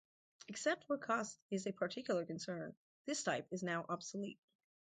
Except where cost is a particular concern, this type is now obsolete.